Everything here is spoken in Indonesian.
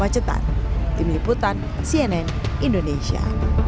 kemacetan tim liputan cnn indonesia